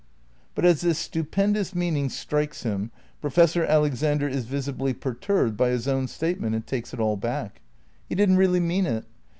But as this stupendous meaning strikes him Profes sor Alexander is visibly perturbed by his own state ment and takes it all back. He didn't really mean it.